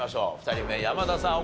２人目山田さん